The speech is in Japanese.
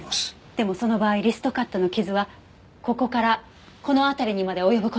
でもその場合リストカットの傷はここからこの辺りにまで及ぶ事が多い。